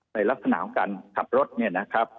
ในลักษณะของการขับรถเนี่ยนะครับ